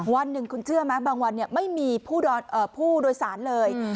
วันหนึ่งคุณเชื่อไหมบางวันไม่มีผู้โดยสารเลย